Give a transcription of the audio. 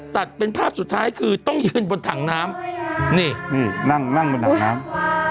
ตัดเป็นภาพสุดท้ายคือต้องยืนบนถังน้ำนี่นี่นั่งนั่งบนถังน้ำ